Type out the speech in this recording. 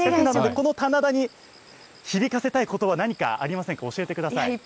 この棚田に響かせたいことば何かありませんか、教えてください。